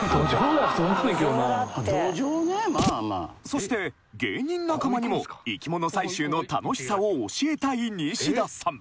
そして芸人仲間にも生き物採集の楽しさを教えたい西田さん